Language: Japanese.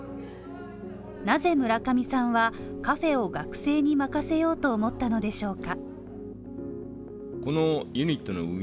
なぜ村上さんはカフェを学生に任せようと思ったのでしょうか。